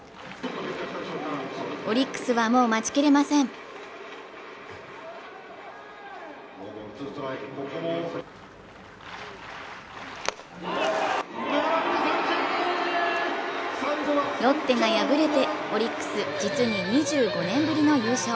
オリックスは、もう待ちきれませんロッテが敗れて、オリックス実に２５年ぶりの優勝。